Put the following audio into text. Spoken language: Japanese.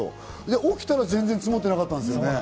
で、起きたら全然積もってなかったんです。